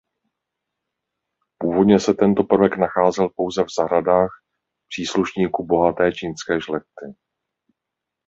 Původně se tento prvek nacházel pouze v zahradách příslušníků bohaté čínské šlechty.